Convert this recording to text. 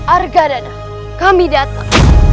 arga dada kami datang